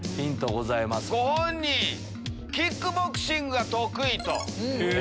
ご本人キックボクシングが得意と。